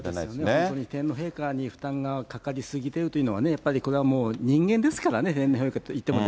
本当に天皇陛下に負担がかかり過ぎてるというのはね、やっぱりこれはもう、人間ですからね、天皇陛下といっても。